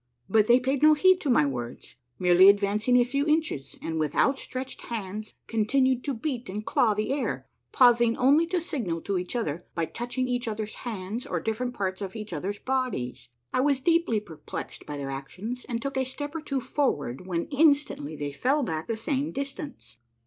But they paid no heed to my words, merely advancing a few inches and with outstretched hands continued to beat and claw the air, pausing only to signal to each other by touching each other's hands or different parts of each other's bodies. I was deeply perplexed by their actions, and took a step or two for ward when instantly they fell back the same distance.